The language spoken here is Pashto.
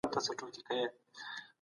استاد وویل چي د زده کړي هیڅ عمر نسته.